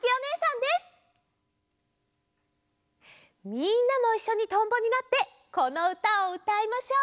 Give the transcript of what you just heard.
みんなもいっしょにとんぼになってこのうたをうたいましょう！